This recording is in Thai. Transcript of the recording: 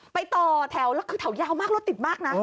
ต่อแถวแล้วคือแถวยาวมากรถติดมากนะ